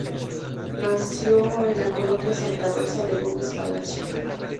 Nació en la Colonia Santa Rosa de Gómez Palacio.